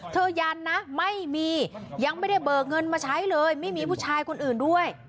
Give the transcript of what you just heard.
ยันนะไม่มียังไม่ได้เบิกเงินมาใช้เลยไม่มีผู้ชายคนอื่นด้วย